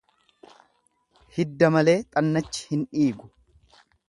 Hidda malee xannachi hin dhiigu.